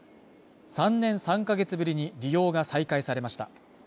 ３年３か月ぶりに利用が再開されました。